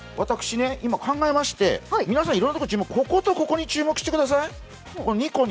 今、考えまして、皆さん、いろいろなところに注目、こことここに注目してください、この２個に。